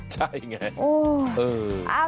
ใช่ไง